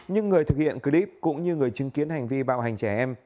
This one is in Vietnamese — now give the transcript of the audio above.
nhưng người thực hiện clip cũng như người chứng kiến hành vi bạo hành trẻ em